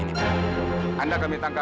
pertama kali pak